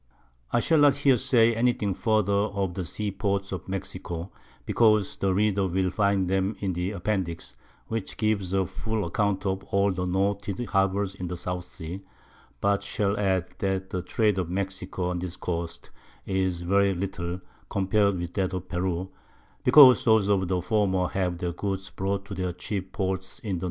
I shall not here say any thing further of the Seaports of Mexico, because the Reader will find them in the Appendix, which gives a full Account of all the noted Harbours in the South Sea, but shall add, that the Trade of Mexico, on this Coast, is very little, compar'd with that of Peru, because those of the former have their Goods brought to their chief Ports in the N.